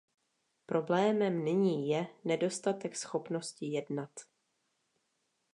Problémem nyní je nedostatek schopnosti jednat.